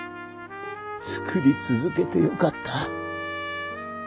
作り続けてよかった。